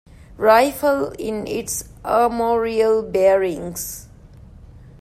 Rifle in its armorial bearings.